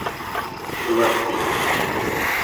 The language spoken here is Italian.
True as Steel